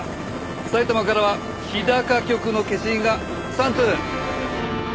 埼玉からは日高局の消印が３通。